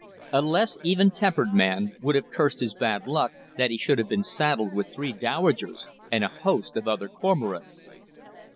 A less even tempered man would have cursed his bad luck, that he should have been saddled with three dowagers, and a host of other cormorants.